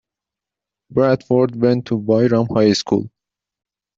Bradford went to Byram High School.